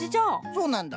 そうなんだ。